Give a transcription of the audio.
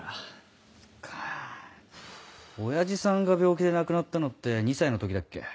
親父さんが病気で亡くなったのって２歳の時だっけ？